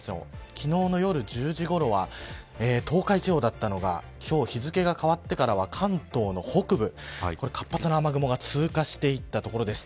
昨日の夜１０時ごろは東海地方だったのが今日日付が変わってからは関東の北部活発な雨雲が通過していった所です。